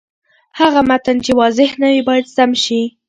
هغه متن چې واضح نه وي، باید سم شي.